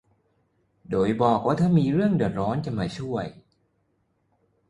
โดยบอกว่าถ้ามีเรื่องเดือดร้อนจะมาช่วย